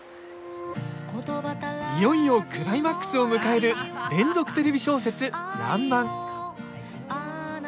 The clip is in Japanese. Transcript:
いよいよクライマックスを迎える連続テレビ小説「らんまん」。